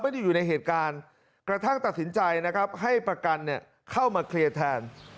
อยู่ในเหตุการณ์กระทั่งตัดสินใจนะครับให้ประกันเข้ามาเคลียร์แทน